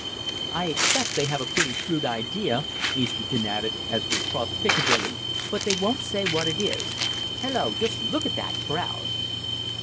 "I expect they have a pretty shrewd idea," Easterton added, as we crossed Piccadilly, "but they won't say what it is. Hello! Just look at the crowd!"